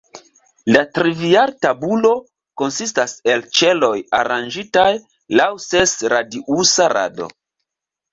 La trivial-tabulo konsistas el ĉeloj aranĝitaj laŭ ses-radiusa rado.